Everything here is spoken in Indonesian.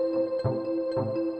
saya mau ke hotel ini